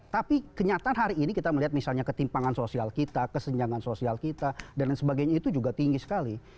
tapi kenyataan hari ini kita melihat misalnya ketimpangan sosial kita kesenjangan sosial kita dan lain sebagainya itu juga tinggi sekali